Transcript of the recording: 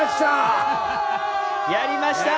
やりました！